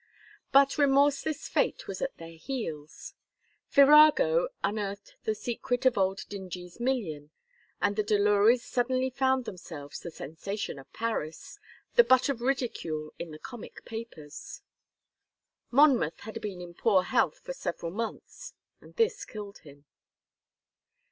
But remorseless fate was at their heels. Figaro unearthed the secret of old Dingee's million, and the Delurys suddenly found themselves the sensation of Paris, the butt of ridicule in the comic papers. Monmouth had been in poor health for several months, and this killed him.